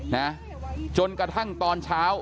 นะจนกระทั่งตอนเช้า